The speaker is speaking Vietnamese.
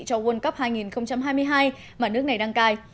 cho world cup hai nghìn hai mươi hai mà nước này đăng cài